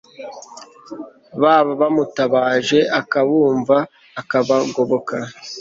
baba bamutabaje, akabumva, akabagoboka